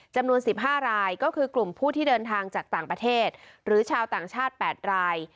จำนวน๑๕รายก็คือกลุ่มผู้ที่เดินทางจากต่างประเทศหรือชาวต่างชาติ๘ราย